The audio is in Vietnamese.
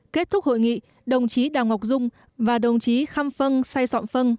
kết thúc hội nghị đồng chí đào ngọc dung và đồng chí khăm phân sai sọn phân